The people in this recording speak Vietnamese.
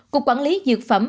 cục quản lý dược phẩm